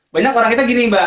banyak orang kita gini mbak